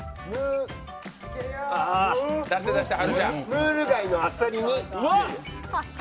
ムール貝のあっさり煮。